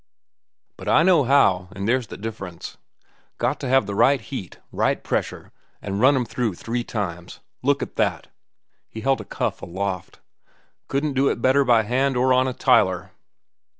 But I know how, an' that's the difference. Got to have right heat, right pressure, and run 'em through three times. Look at that!" He held a cuff aloft. "Couldn't do it better by hand or on a tiler."